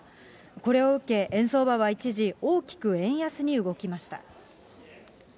これを受け、円相場は一時、大きく円安に動きました。